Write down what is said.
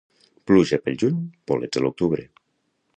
Pluja pel juny, bolets a l'octubre.